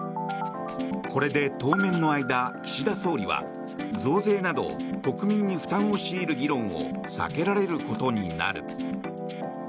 これで当面の間、岸田総理は増税など国民に負担を強いる議論を避けられることになる。